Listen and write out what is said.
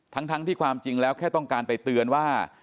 ทั้งที่ความจริงแล้วแค่ต้องการไปเตือนว่า